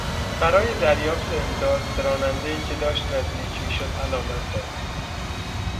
برای دریافت امداد به رانندهای که داشت نزدیک میشد علامت داد.